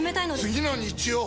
次の日曜！